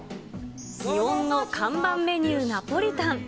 ギオンの看板メニュー、ナポリタン。